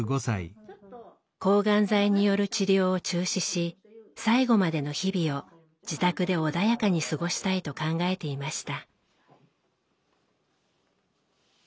抗がん剤による治療を中止し最期までの日々を自宅で穏やかに過ごしたいと考えていました。